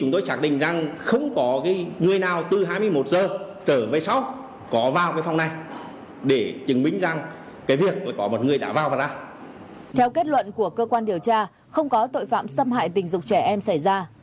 theo kết luận của cơ quan điều tra không có tội phạm xâm hại tình dục trẻ em xảy ra